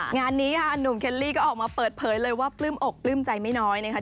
งานนี้ค่ะหนุ่มเคลลี่ก็ออกมาเปิดเผยเลยว่าปลื้มอกปลื้มใจไม่น้อยนะคะ